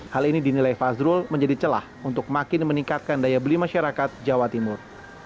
hal ini dinilai fazrul menjadi celah untuk makin meningkatkan daya beli masyarakat jawa timur